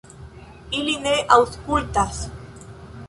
Ili ne aŭskultas.